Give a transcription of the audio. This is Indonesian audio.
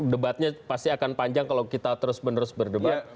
debatnya pasti akan panjang kalau kita terus menerus berdebat